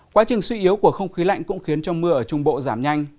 quá trình suy yếu của không khí lạnh cũng khiến trong mưa ở trung bộ giảm nhanh